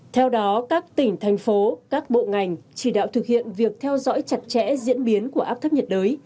theo đó các tỉnh thành phố các bộ ngành chỉ đạo thực hiện việc theo dõi chặt chẽ diễn biến của áp thấp nhiệt đới